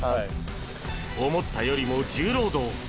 思ったよりも重労働！